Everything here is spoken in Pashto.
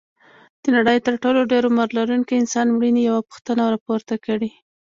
د نړۍ تر ټولو د ډېر عمر لرونکي انسان مړینې یوه پوښتنه راپورته کړې.